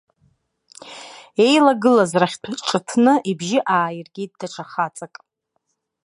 Еилагылаз рахьтә ҿыҭны ибжьы ааиргеит даҽа хаҵак.